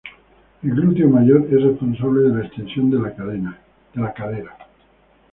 El glúteo mayor es responsable de la extensión de la cadera.